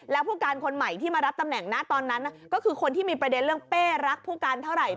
แล้วผู้การคนใหม่ที่มารับตำแหน่งนะตอนนั้นก็คือคนที่มีประเด็นเรื่องเป้รักผู้การเท่าไหร่